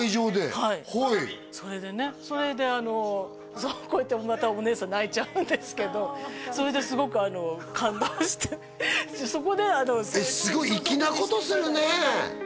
はいそれでねそれであのこうやってまたお姉さん泣いちゃうんですけどそれですごく感動してそこで正式にすごい粋なことするね